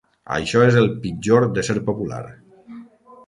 Això és el pitjor de ser popular.